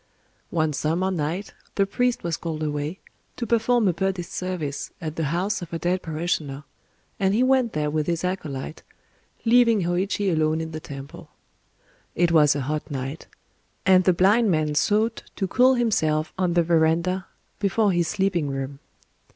One summer night the priest was called away, to perform a Buddhist service at the house of a dead parishioner; and he went there with his acolyte, leaving Hōïchi alone in the temple. It was a hot night; and the blind man sought to cool himself on the verandah before his sleeping room.